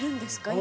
今。